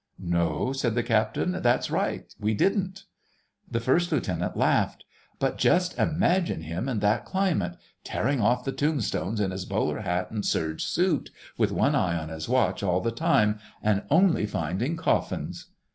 "No," said the Captain. "That's right, we didn't." The First Lieutenant laughed. "But just imagine him in that climate, tearing off the tombstones in his bowler hat and serge suit, with one eye on his watch all the time, and only finding coffins...!"